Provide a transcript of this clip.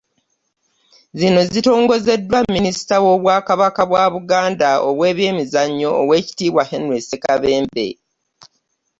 Zino zitongozeddwa minisita w'obwakabaka bwa Buganda ow'ebyemizannyo oweekitiibwa Henry Ssekabembe